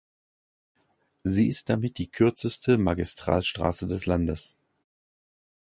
Sie ist damit die kürzeste Magistralstraße des Landes.